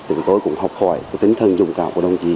từng tối cũng học khỏi tính thân dung cảm của đồng chí